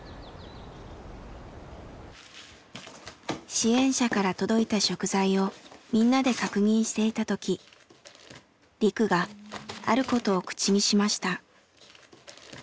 支援者から届いた食材をみんなで確認していたときリクがあることを口にしました。